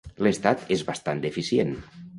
L'estat és bastant deficient.